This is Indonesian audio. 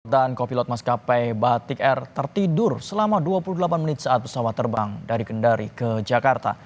dan kopilot mas k p batik r tertidur selama dua puluh delapan menit saat pesawat terbang dari kendari ke jakarta